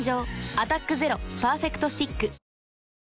「アタックＺＥＲＯパーフェクトスティック」